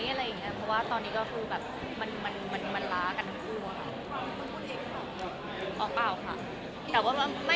เพราะว่าตอนนี้ก็คือมันล้ากันครู้